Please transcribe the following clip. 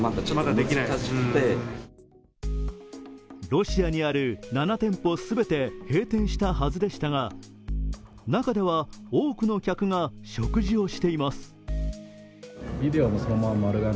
ロシアにある７店舗全て閉店したはずでしたが中では多くの客が食事をしています。